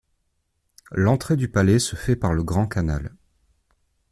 L'entrée du palais se fait par le Grand Canal.